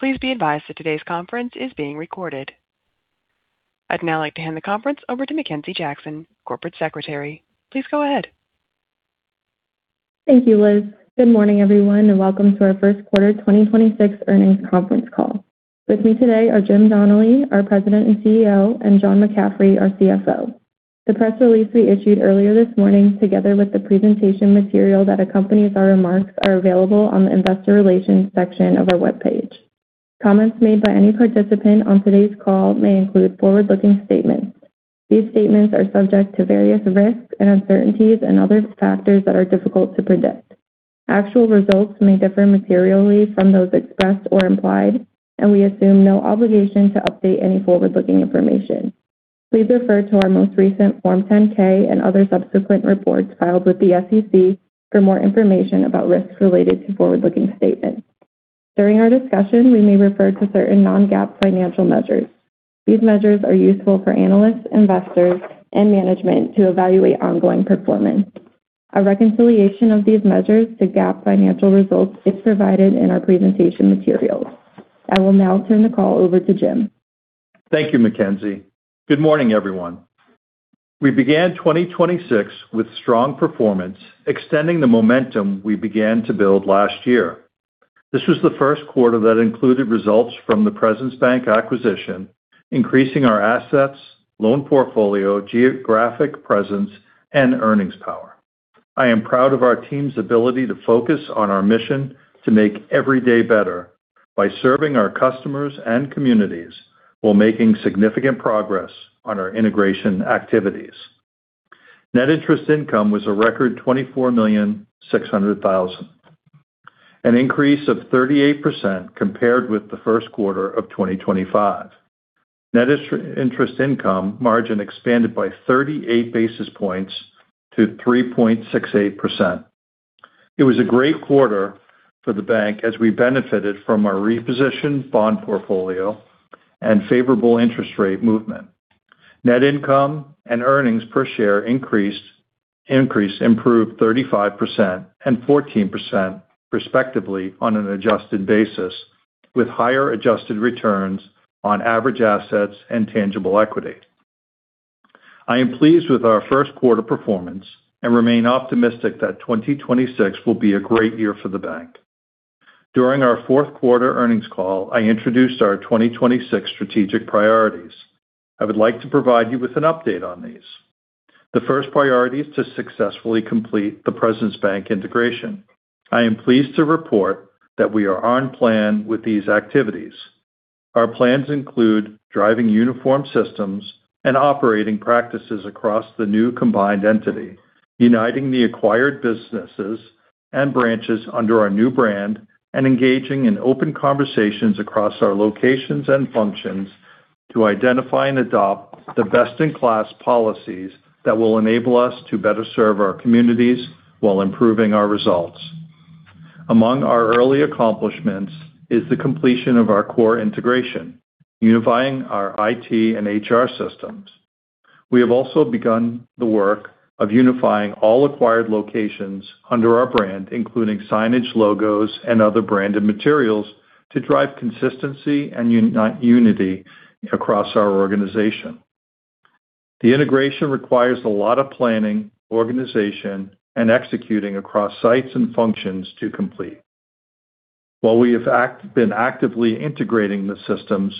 Please be advised that today's conference is being recorded. I'd now like to hand the conference over to Mackenzie Jackson, Corporate Secretary. Please go ahead. Thank you, Liz. Good morning, everyone, and welcome to our first quarter 2026 earnings conference call. With me today are Jim Donnelly, our President and CEO, and John McCaffery, our CFO. The press release we issued earlier this morning, together with the presentation material that accompanies our remarks, are available on the Investor Relations section of our webpage. Comments made by any participant on today's call may include forward-looking statements. These statements are subject to various risks and uncertainties and other factors that are difficult to predict. Actual results may differ materially from those expressed or implied, and we assume no obligation to update any forward-looking information. Please refer to our most recent Form 10-K and other subsequent reports filed with the SEC for more information about risks related to forward-looking statements. During our discussion, we may refer to certain non-GAAP financial measures. These measures are useful for analysts, investors, and management to evaluate ongoing performance. A reconciliation of these measures to GAAP financial results is provided in our presentation materials. I will now turn the call over to Jim. Thank you, Mackenzie. Good morning, everyone. We began 2026 with strong performance, extending the momentum we began to build last year. This was the first quarter that included results from the Presence Bank acquisition, increasing our assets, loan portfolio, geographic presence, and earnings power. I am proud of our team's ability to focus on our mission to make every day better by serving our customers and communities while making significant progress on our integration activities. Net interest income was a record $24.6 million, an increase of 38% compared with the first quarter of 2025. Net interest income margin expanded by 38 basis points to 3.68%. It was a great quarter for the bank as we benefited from our repositioned bond portfolio and favorable interest rate movement. Net income and earnings per share increased, improved 35% and 14% respectively on an adjusted basis, with higher adjusted returns on average assets and tangible equity. I am pleased with our first quarter performance and remain optimistic that 2026 will be a great year for the bank. During our fourth quarter earnings call, I introduced our 2026 strategic priorities. I would like to provide you with an update on these. The first priority is to successfully complete the Presence Bank integration. I am pleased to report that we are on plan with these activities. Our plans include driving uniform systems and operating practices across the new combined entity, uniting the acquired businesses and branches under our new brand, and engaging in open conversations across our locations and functions to identify and adopt the best-in-class policies that will enable us to better serve our communities while improving our results. Among our early accomplishments is the completion of our core integration, unifying our IT and HR systems. We have also begun the work of unifying all acquired locations under our brand, including signage, logos, and other branded materials to drive consistency and unity across our organization. The integration requires a lot of planning, organization, and executing across sites and functions to complete. While we have been actively integrating the systems,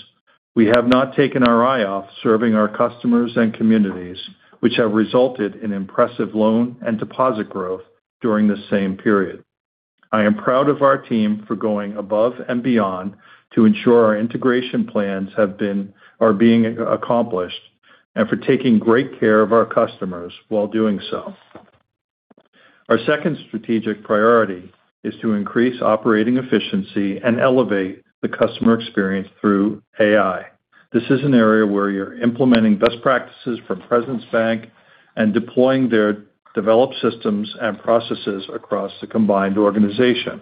we have not taken our eye off serving our customers and communities, which have resulted in impressive loan and deposit growth during the same period. I am proud of our team for going above and beyond to ensure our integration plans are being accomplished and for taking great care of our customers while doing so. Our second strategic priority is to increase operating efficiency and elevate the customer experience through AI. This is an area where we're implementing best practices from Presence Bank and deploying their developed systems and processes across the combined organization.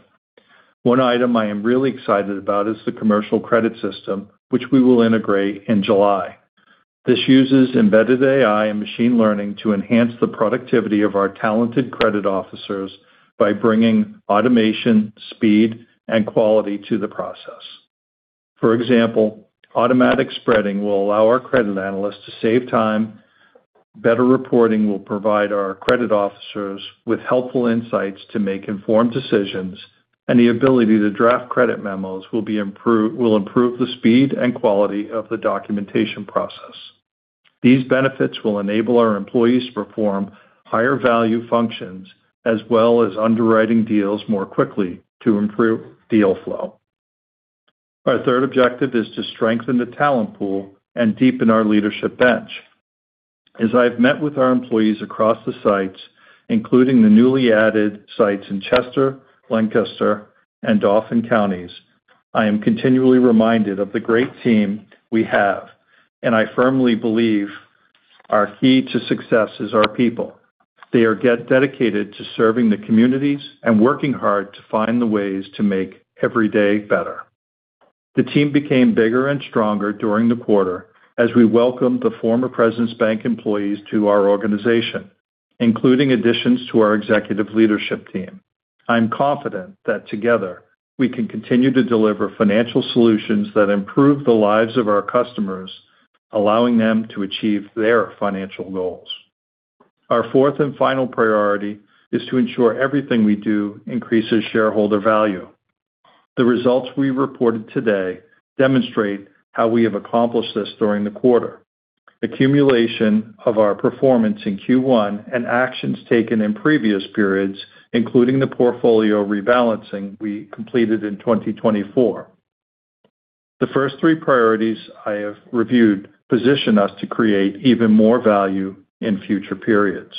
One item I am really excited about is the commercial credit system, which we will integrate in July. This uses embedded AI and machine learning to enhance the productivity of our talented credit officers by bringing automation, speed, and quality to the process. For example, automatic spreading will allow our credit analysts to save time. Better reporting will provide our credit officers with helpful insights to make informed decisions and the ability to draft credit memos will improve the speed and quality of the documentation process. These benefits will enable our employees to perform higher value functions as well as underwriting deals more quickly to improve deal flow. Our third objective is to strengthen the talent pool and deepen our leadership bench. As I've met with our employees across the sites, including the newly added sites in Chester, Lancaster, and Dauphin Counties, I am continually reminded of the great team we have, and I firmly believe our key to success is our people. They are dedicated to serving the communities and working hard to find the ways to make every day better. The team became bigger and stronger during the quarter as we welcomed the former Presence Bank employees to our organization, including additions to our executive leadership team. I'm confident that together we can continue to deliver financial solutions that improve the lives of our customers, allowing them to achieve their financial goals. Our fourth and final priority is to ensure everything we do increases shareholder value. The results we reported today demonstrate how we have accomplished this during the quarter. The accumulation of our performance in Q1 and actions taken in previous periods, including the portfolio rebalancing we completed in 2024. The first three priorities I have reviewed position us to create even more value in future periods.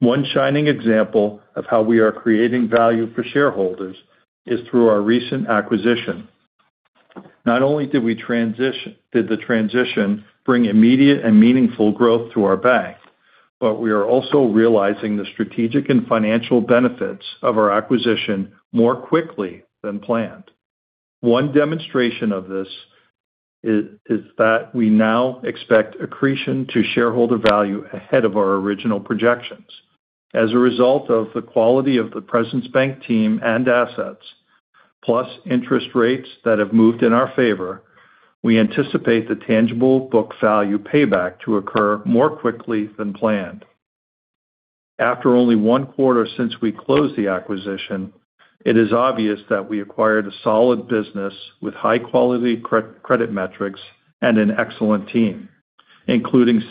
One shining example of how we are creating value for shareholders is through our recent acquisition. Not only did the transition bring immediate and meaningful growth to our bank, but we are also realizing the strategic and financial benefits of our acquisition more quickly than planned. One demonstration of this is that we now expect accretion to shareholder value ahead of our original projections. As a result of the quality of the Presence Bank team and assets, plus interest rates that have moved in our favor, we anticipate the tangible book value payback to occur more quickly than planned. After only one quarter since we closed the acquisition, it is obvious that we acquired a solid business with high-quality credit metrics and an excellent team, including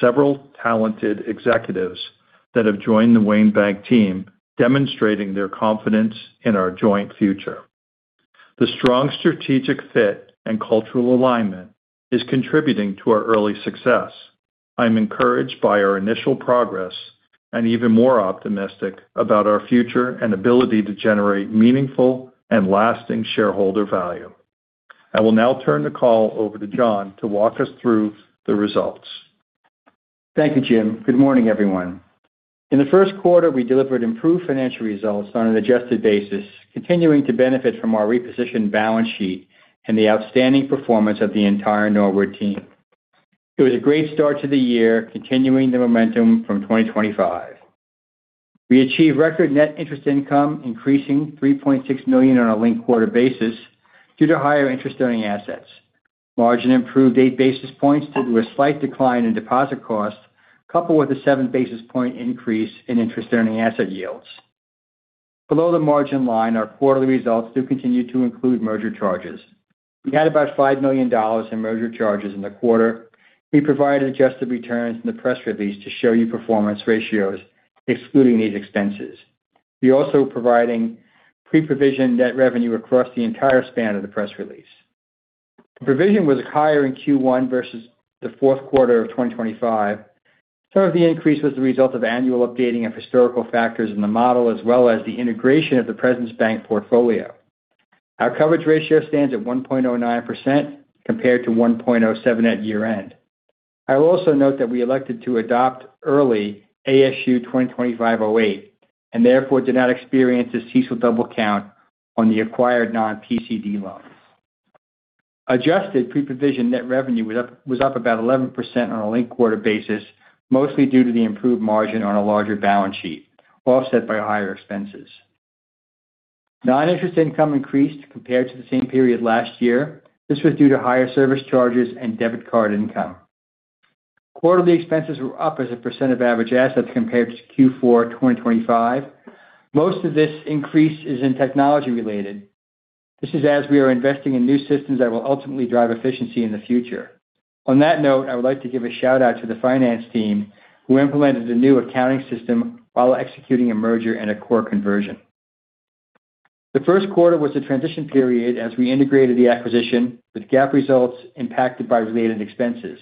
several talented executives that have joined the Wayne Bank team, demonstrating their confidence in our joint future. The strong strategic fit and cultural alignment is contributing to our early success. I'm encouraged by our initial progress and even more optimistic about our future and ability to generate meaningful and lasting shareholder value. I will now turn the call over to John to walk us through the results. Thank you, Jim. Good morning, everyone. In the first quarter, we delivered improved financial results on an adjusted basis, continuing to benefit from our repositioned balance sheet and the outstanding performance of the entire Norwood team. It was a great start to the year, continuing the momentum from 2025. We achieved record net interest income increasing $3.6 million on a linked quarter basis due to higher interest-earning assets. Margin improved 8 basis points due to a slight decline in deposit costs, coupled with a 7 basis point increase in interest-earning asset yields. Below the margin line, our quarterly results do continue to include merger charges. We had about $5 million in merger charges in the quarter. We provided adjusted returns in the press release to show you performance ratios excluding these expenses. We're also providing pre-provision net revenue across the entire span of the press release. The provision was higher in Q1 versus the fourth quarter of 2025. Some of the increase was the result of annual updating of historical factors in the model, as well as the integration of the Presence Bank portfolio. Our coverage ratio stands at 1.09% compared to 1.07% at year-end. I will also note that we elected to adopt early ASU 2025-08, and therefore did not experience a CECL double count on the acquired non-PCD loans. Adjusted pre-provision net revenue was up about 11% on a linked quarter basis, mostly due to the improved margin on a larger balance sheet, offset by higher expenses. Non-interest income increased compared to the same period last year. This was due to higher service charges and debit card income. Quarterly expenses were up as a percentage of average assets compared to Q4 2025. Most of this increase is in technology related. This is as we are investing in new systems that will ultimately drive efficiency in the future. On that note, I would like to give a shout-out to the finance team who implemented a new accounting system while executing a merger and a core conversion. The first quarter was a transition period as we integrated the acquisition, with GAAP results impacted by related expenses.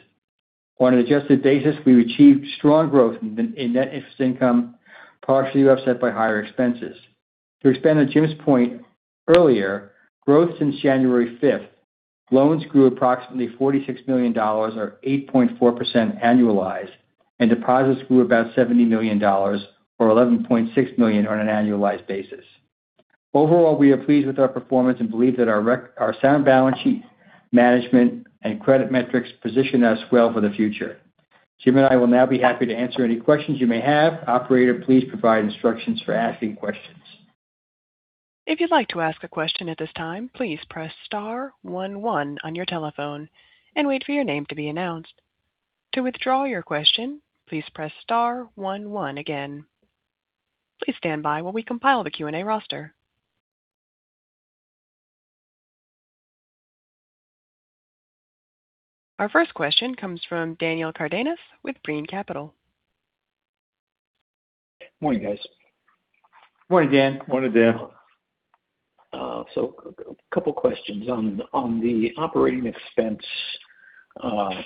On an adjusted basis, we achieved strong growth in net interest income, partially offset by higher expenses. To expand on Jim's point earlier, growth since January fifth, loans grew approximately $46 million or 8.4% annualized, and deposits grew about $70 million or 11.6% on an annualized basis. Overall, we are pleased with our performance and believe that our sound balance sheet management and credit metrics position us well for the future. Jim and I will now be happy to answer any questions you may have. Operator, please provide instructions for asking questions. If you'd like to ask a question at this time, please press star one one on your telephone and wait for your name to be announced. To withdraw your question, please press star one one again. Please stand by while we compile the Q&A roster. Our first question comes from Daniel Cardenas with Brean Capital. Morning, guys. Morning, Dan. Morning, Dan. Couple questions. On the operating expense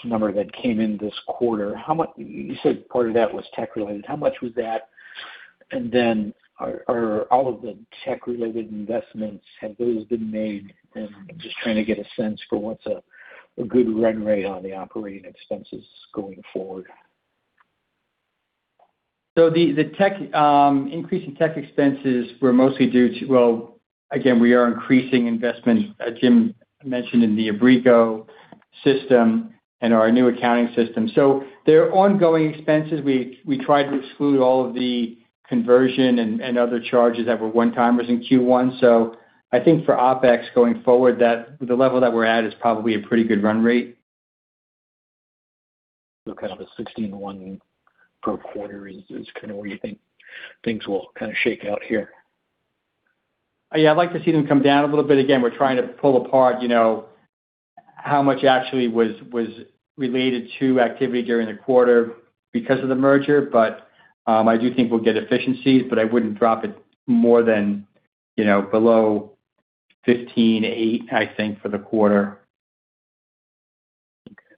number that came in this quarter, how much, you said part of that was tech related. How much was that? Then are all of the tech related investments, have those been made? Just trying to get a sense for what's a good run rate on the operating expenses going forward. The increase in tech expenses were mostly due to well, again, we are increasing investment, as Jim mentioned, in the Abrigo system and our new accounting system. There are ongoing expenses. We try to exclude all of the conversion and other charges that were one-timers in Q1. I think for OpEx going forward, that the level that we're at is probably a pretty good run rate. Kind of a 16 to 1 per quarter is kind of where you think things will kind of shake out here? Yeah, I'd like to see them come down a little bit. Again, we're trying to pull apart, you know, how much actually was related to activity during the quarter because of the merger. I do think we'll get efficiencies, but I wouldn't drop it more than, you know, below 15.8, I think, for the quarter. Okay.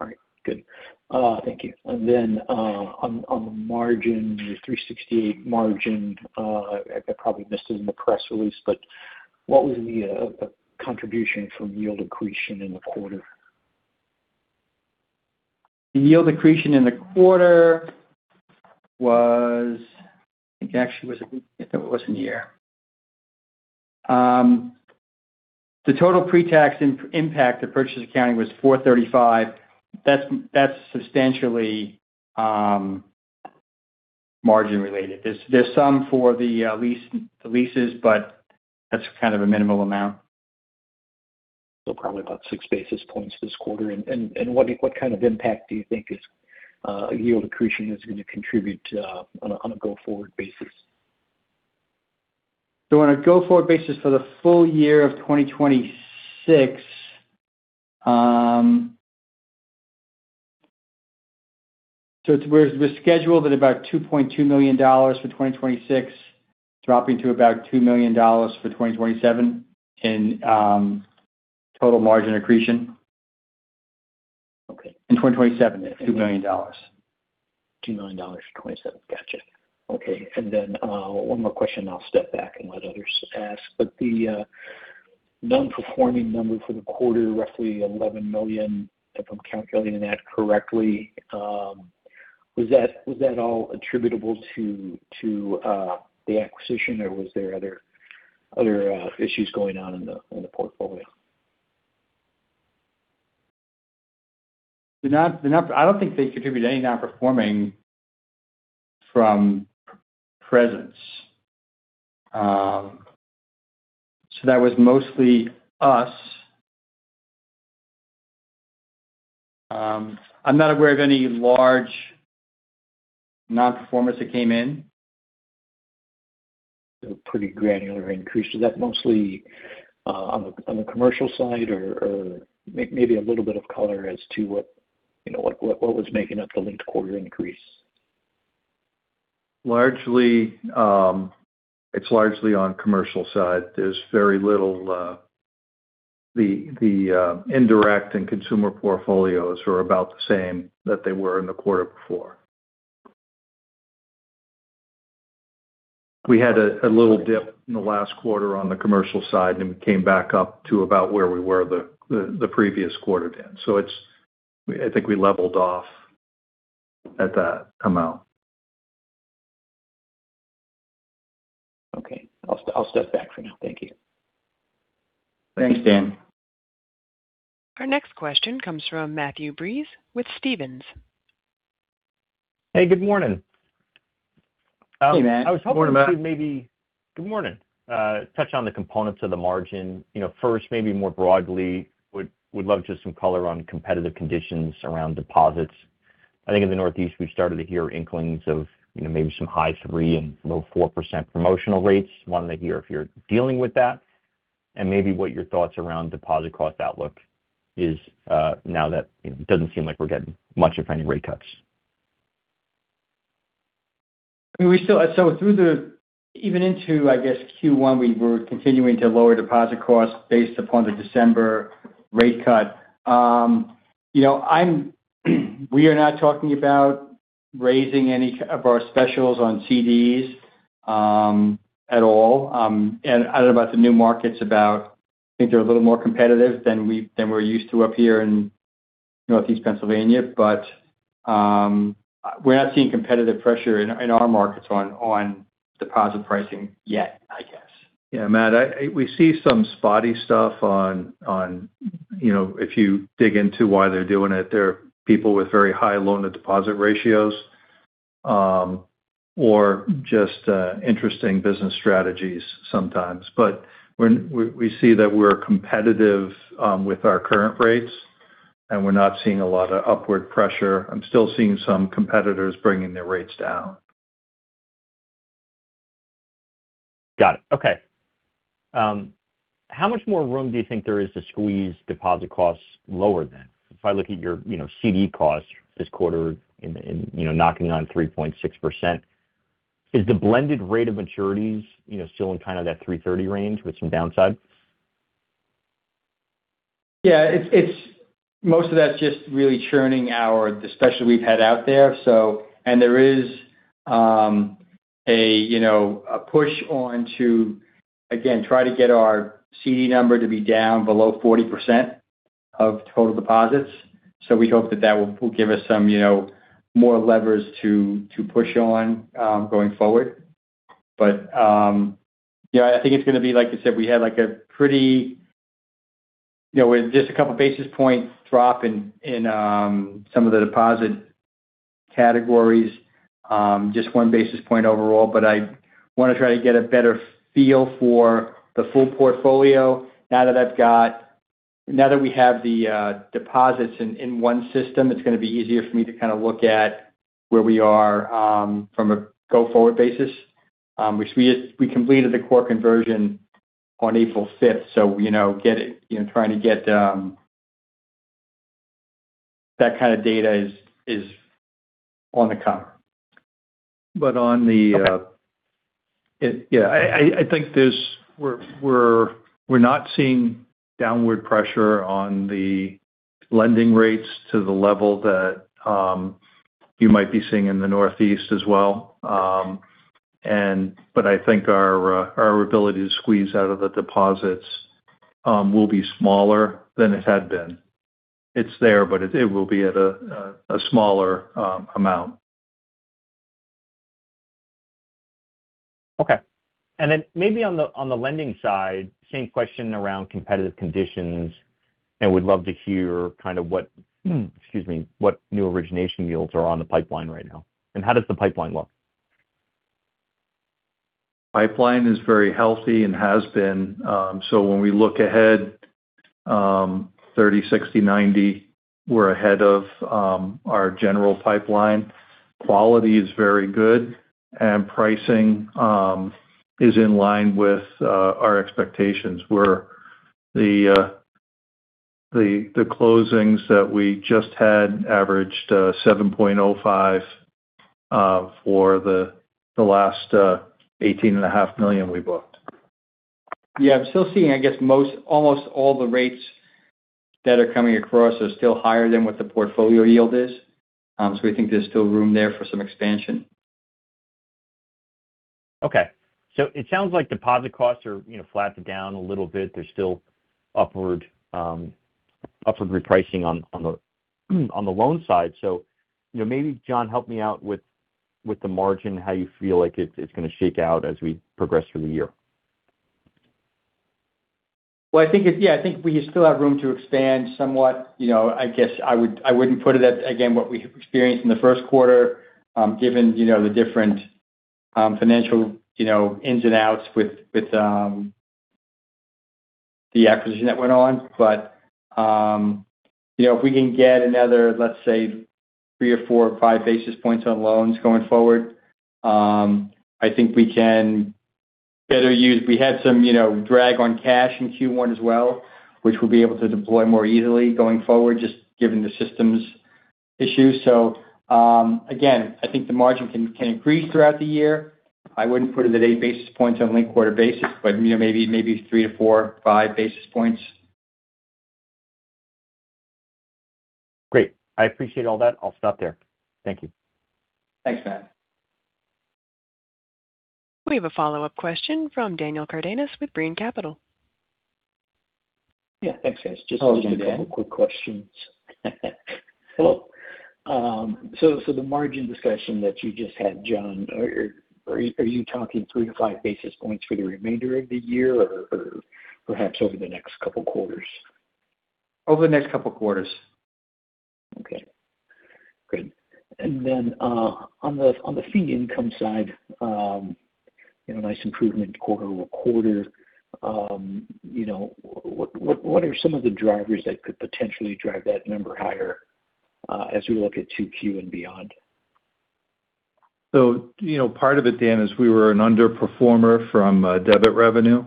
All right. Good. Thank you. On the margin, the 3.68% margin, I probably missed this in the press release, but what was the contribution from yield accretion in the quarter? The yield accretion in the quarter was, I think actually it was in here. The total pre-tax impact of purchase accounting was 435. That's substantially margin related. There's some for the leases, but that's kind of a minimal amount. Probably about 6 basis points this quarter. What kind of impact do you think is yield accretion is gonna contribute on a go-forward basis? On a go-forward basis for the full year of 2026, we're scheduled at about $2.2 million for 2026, dropping to about $2 million for 2027 in total margin accretion. Okay. In 2027, $2 million. $2 million in 2027. Gotcha. Okay. Then, one more question then I'll step back and let others ask. The non-performing number for the quarter, roughly $11 million, if I'm calculating that correctly, was that all attributable to the acquisition or was there other issues going on in the portfolio? I don't think they contributed any non-performing from Presence. That was mostly us. I'm not aware of any large non-performance that came in. A pretty granular increase. Was that mostly on the commercial side or maybe a little bit of color as to what, you know, what was making up the linked quarter increase? Largely, it's largely on commercial side. There's very little. The indirect and consumer portfolios are about the same that they were in the quarter before. We had a little dip in the last quarter on the commercial side, and we came back up to about where we were the previous quarter then. I think we leveled off at that amount. Okay. I'll step back for now. Thank you. Thanks, Dan. Our next question comes from Matthew Breese with Stephens. Hey, good morning. Hey, Matt. Good morning, Matt. Good morning. Touch on the components of the margin. You know, first, maybe more broadly, would love just some color on competitive conditions around deposits. I think in the Northeast we've started to hear inklings of, you know, maybe some high 3% and low 4% promotional rates. Wanted to hear if you're dealing with that and maybe what your thoughts around deposit cost outlook is, now that, you know, it doesn't seem like we're getting much of any rate cuts. Even into Q1, I guess, we were continuing to lower deposit costs based upon the December rate cut. You know, we are not talking about raising any of our specials on CDs at all. I don't know about the new markets. I think they're a little more competitive than we're used to up here in Northeast Pennsylvania. We're not seeing competitive pressure in our markets on deposit pricing yet, I guess. Yeah, Matt, we see some spotty stuff on, you know, if you dig into why they're doing it. They're people with very high loan to deposit ratios, or just interesting business strategies sometimes. We see that we're competitive with our current rates, and we're not seeing a lot of upward pressure. I'm still seeing some competitors bringing their rates down. Got it. Okay. How much more room do you think there is to squeeze deposit costs lower then? If I look at your, you know, CD costs this quarter and you know, knocking on 3.6%, is the blended rate of maturities, you know, still in kind of that 3.30% range with some downside? Yeah. It's most of that's just really churning out the special we've had out there. There is, you know, a push on to, again, try to get our CD number to be down below 40% of total deposits. We hope that will give us some, you know, more levers to push on going forward. I think it's gonna be like I said, we had like a pretty you know with just a couple basis points drop in some of the deposit categories, just one basis point overall. I want to try to get a better feel for the full portfolio now that we have the deposits in one system. It's gonna be easier for me to kinda look at where we are from a go-forward basis. We completed the core conversion on April fifth, so you know, that kind of data is on the come. On the- Okay. Yeah. I think we're not seeing downward pressure on the lending rates to the level that you might be seeing in the Northeast as well. I think our ability to squeeze out of the deposits will be smaller than it had been. It's there, but it will be at a smaller amount. Okay. Then maybe on the lending side, same question around competitive conditions, and we'd love to hear what new origination yields are on the pipeline right now, and how does the pipeline look? Pipeline is very healthy and has been. When we look ahead 30, 60, 90, we're ahead of our general pipeline. Quality is very good and pricing is in line with our expectations, where the closings that we just had averaged 7.05% for the last 18.5 million we booked. Yeah, I'm still seeing, I guess, most, almost all the rates that are coming across are still higher than what the portfolio yield is. We think there's still room there for some expansion. Okay. It sounds like deposit costs are, you know, flat to down a little bit. There's still upward repricing on the loan side. You know, maybe, John, help me out with the margin, how you feel like it's gonna shake out as we progress through the year. Well, I think we still have room to expand somewhat. You know, I guess I wouldn't put it at, again, what we experienced in the first quarter, given, you know, the different financial, you know, ins and outs with the acquisition that went on. You know, if we can get another, let's say three or four or five basis points on loans going forward, I think we can better use. We had some, you know, drag on cash in Q1 as well, which we'll be able to deploy more easily going forward, just given the systems issues. Again, I think the margin can increase throughout the year. I wouldn't put it at eight basis points on linked quarter basis, but, you know, maybe three to four, five basis points. Great. I appreciate all that. I'll stop there. Thank you. Thanks, Matt. We have a follow-up question from Daniel Cardenas with Brean Capital. Yeah. Thanks, guys. Just a couple quick questions. Hello. The margin discussion that you just had, John, are you talking three to five basis points for the remainder of the year or perhaps over the next couple quarters? Over the next couple quarters. Okay, great. On the fee income side, you know, nice improvement quarter-over-quarter. You know, what are some of the drivers that could potentially drive that number higher, as we look at 2Q and beyond? You know, part of it, Dan, is we were an underperformer from debit revenue.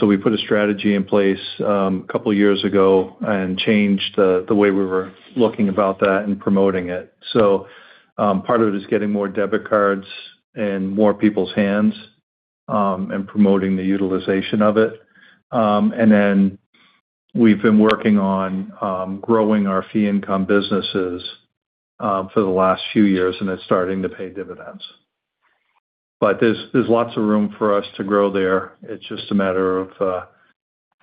We put a strategy in place a couple years ago and changed the way we were looking about that and promoting it. Part of it is getting more debit cards in more people's hands and promoting the utilization of it. And then we've been working on growing our fee income businesses for the last few years, and it's starting to pay dividends. But there's lots of room for us to grow there. It's just a matter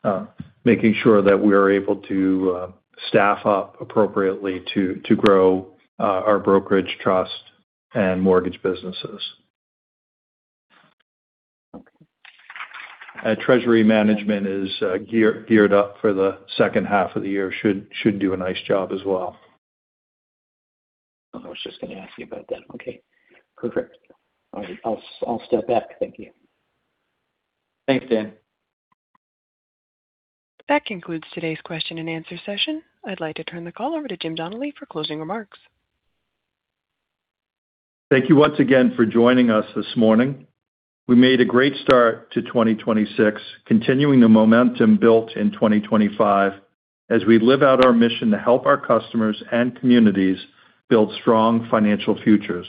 of making sure that we're able to staff up appropriately to grow our brokerage, trust, and mortgage businesses. Okay. Treasury management is geared up for the second half of the year. Should do a nice job as well. I was just gonna ask you about that. Okay, perfect. All right. I'll step back. Thank you. Thanks, Dan. That concludes today's question and answer session. I'd like to turn the call over to Jim Donnelly for closing remarks. Thank you once again for joining us this morning. We made a great start to 2026, continuing the momentum built in 2025 as we live out our mission to help our customers and communities build strong financial futures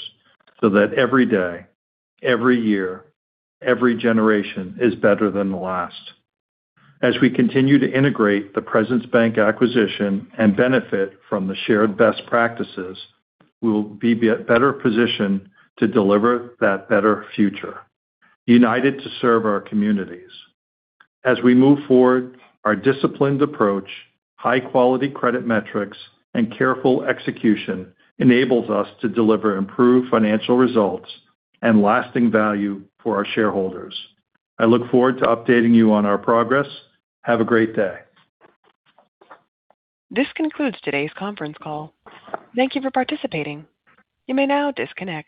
so that every day, every year, every generation is better than the last. As we continue to integrate the Presence Bank acquisition and benefit from the shared best practices, we'll be better positioned to deliver that better future, united to serve our communities. As we move forward, our disciplined approach, high quality credit metrics, and careful execution enables us to deliver improved financial results and lasting value for our shareholders. I look forward to updating you on our progress. Have a great day. This concludes today's conference call. Thank you for participating. You may now disconnect.